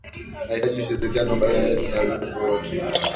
Yahitaji ushirikiano baina yetu na viumbe wote